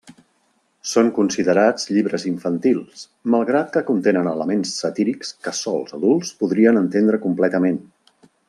Són considerats llibres infantils, malgrat que contenen elements satírics que sols adults podrien entendre completament.